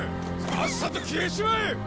さっさと消えちまえ！